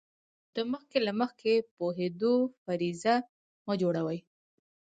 د مخکې له مخکې پوهېدو فرضیه مه جوړوئ.